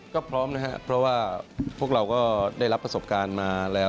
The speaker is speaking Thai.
ก็พร้อมนะครับเพราะว่าพวกเราก็ได้รับประสบการณ์มาแล้ว